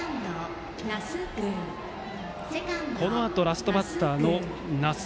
このあと、ラストバッターの那須。